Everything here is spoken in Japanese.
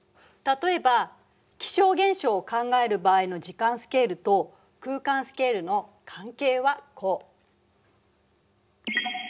例えば気象現象を考える場合の時間スケールと空間スケールの関係はこう。